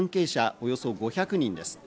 およそ５００人です。